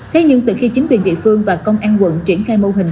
thế nhưng từ khi chính quyền địa phương và công an quận triển khai mô hình